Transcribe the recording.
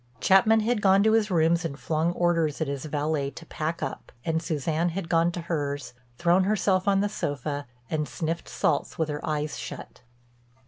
Chapman had gone to his rooms and flung orders at his valet to pack up, and Suzanne had gone to hers, thrown herself on the sofa, and sniffed salts with her eyes shut.